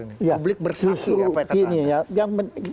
publik bersatu ya pak ketan